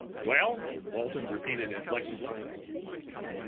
"Well?" Walton repeated inflexibly.